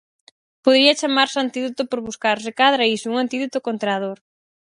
Podería chamarse antídoto por buscar, se cadra, iso, un antídoto contra a dor.